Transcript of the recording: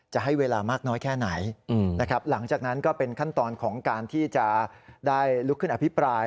จะให้เวลามากน้อยแค่ไหนนะครับหลังจากนั้นก็เป็นขั้นตอนของการที่จะได้ลุกขึ้นอภิปราย